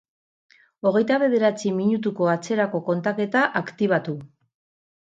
Hogeita bederatzi minutuko atzerako kontaketa aktibatu.